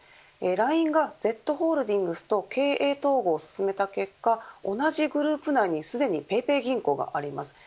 ＬＩＮＥがＺホールディングスと経営統合を進めた結果同じグループ内にすでにＰａｙＰａｙ銀行があります。